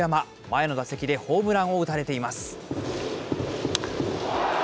前の打席でホームランを打たれています。